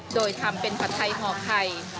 โดยทำเป็นผัดไทยห่อไข่